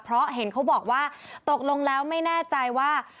เพราะเห็นเขาบอกว่าตกลงแล้วไม่แน่ใจว่า